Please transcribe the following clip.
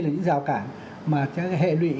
là những rào cản mà sẽ hệ lụy